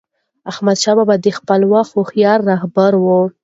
احمدشاه بابا د خپل وخت هوښیار رهبر و.